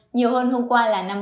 nhiều hơn hôm qua là năm ca